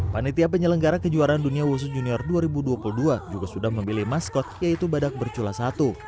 panitia penyelenggara kejuaraan dunia wusu junior dua ribu dua puluh dua juga sudah memilih maskot yaitu badak bercula satu